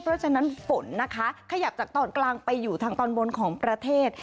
เพราะฉะนั้นฝนนะคะขยับจากตอนกลางไปอยู่ทางตอนบนของประเทศ